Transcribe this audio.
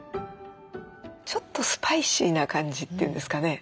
ちょっとスパイシーな感じというんですかね。